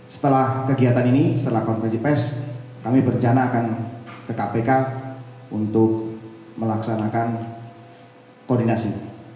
setelah kegiatan ini setelah konferensi pes kami berencana akan ke kpk untuk melaksanakan koordinasi